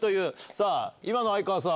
さぁ今の相川さん